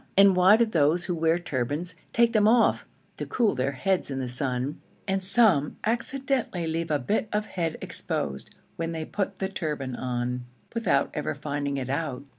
and why do those who wear turbans take them off to cool their heads in the sun, and some accidentally leave a bit of head exposed when they put the turban on without ever finding it out?